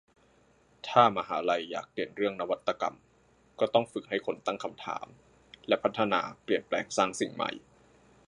ถ้ามหาลัยอยากเด่นเรื่องนวัตกรรม ก็ต้องฝึกให้คนตั้งคำถาม และพัฒนาเปลี่ยนแปลงสร้างสิ่งใหม่